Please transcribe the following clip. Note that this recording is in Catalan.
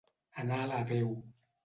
Anar a la veu.